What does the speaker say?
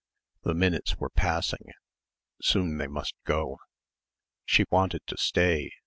The minutes were passing; soon they must go. She wanted to stay